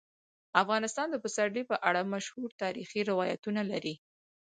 افغانستان د پسرلی په اړه مشهور تاریخی روایتونه لري.